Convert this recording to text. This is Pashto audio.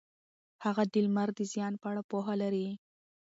هغه د لمر د زیان په اړه پوهه لري.